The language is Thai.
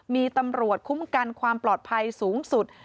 มีตำรวจคุ้มกันความปลอดภัยสูงสุด